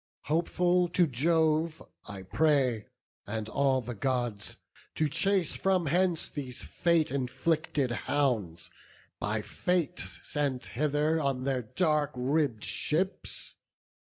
Hopeful, to Jove I pray, and all the Gods, To chase from hence these fate inflicted hounds, By fate sent hither on their dark ribb'd ships.